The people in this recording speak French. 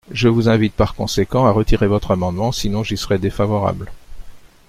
Je vous invite par conséquent à retirer votre amendement, sinon j’y serai défavorable.